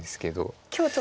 今日ちょっと。